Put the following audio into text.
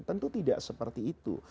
tentu tidak seperti itu